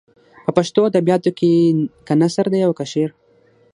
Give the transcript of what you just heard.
په پښتو ادبیاتو کې که نثر دی او که شعر.